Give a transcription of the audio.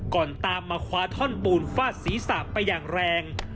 ตามมาคว้าท่อนปูนฟาดศีรษะไปอย่างแรง